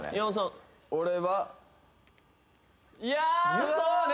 俺は・いやそうね